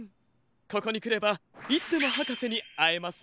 ここにくればいつでもはかせにあえますね。